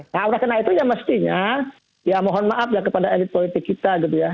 nah karena itunya mestinya ya mohon maaf ya kepada elit politik kita gitu ya